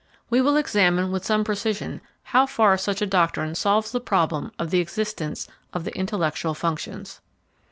We will examine with some precision how far such a doctrine solves the problem of the existence of the intellectual functions.